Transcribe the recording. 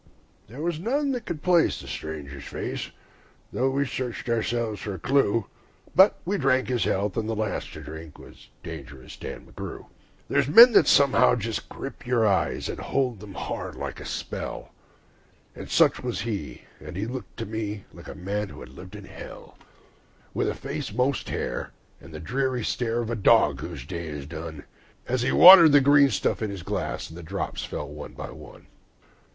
There was none could place the stranger's face, though we searched ourselves for a clue; But we drank his health, and the last to drink was Dangerous Dan McGrew. There's men that somehow just grip your eyes, and hold them hard like a spell; And such was he, and he looked to me like a man who had lived in hell; With a face most hair, and the dreary stare of a dog whose day is done, As he watered the green stuff in his glass, and the drops fell one by one.